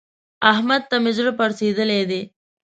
احمد ته مې زړه پړسېدلی دی.